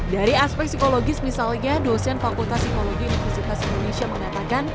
dari aspek psikologis misalnya dosen fakultas psikologi universitas indonesia mengatakan